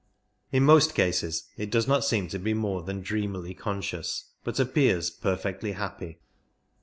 In most cases it does not seem to be more than dreamily conscious, but appears perfectly happy.